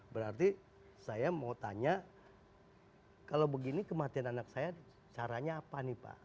berarti saya mau tanya kalau begini kematian anak saya caranya apa nih pak